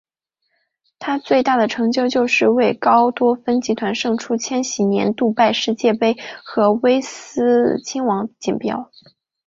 它最大的成就就是为高多芬集团胜出千禧年的杜拜世界杯和威尔斯亲王锦标。